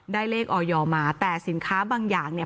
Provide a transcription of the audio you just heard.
เลขออยมาแต่สินค้าบางอย่างเนี่ย